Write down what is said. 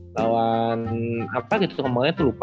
lawan apa gitu kemarin tuh lupa